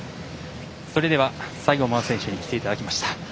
それでは西郷真央選手にきていただきました。